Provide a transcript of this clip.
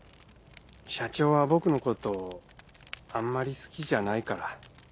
社長は僕のことあんまり好きじゃないから。